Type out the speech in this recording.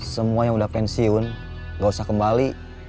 semua yang udah pensiun gak usah kembali